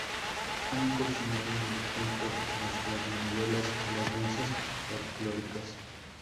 Ha incursionado en el canto, las radionovelas y las danzas folklóricas.